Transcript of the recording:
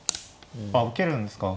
あ受けるんですか。